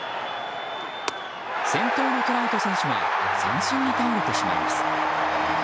先頭のトラウト選手は三振に倒れてしまいます。